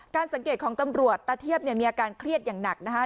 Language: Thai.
สังเกตของตำรวจตาเทียบเนี่ยมีอาการเครียดอย่างหนักนะคะ